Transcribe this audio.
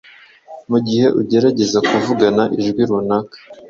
mugihe ugerageza kuvugana ijwi runaka